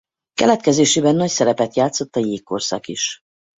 Keletkezésébe nagy szerepet játszott a jégkorszak is.